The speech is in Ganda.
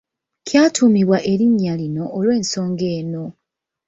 Kyatuumibwa erinnya lino olw’ensonga eno.